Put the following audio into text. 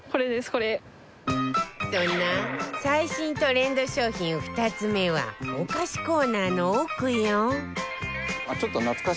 そんな最新トレンド商品２つ目はお菓子コーナーの奥よ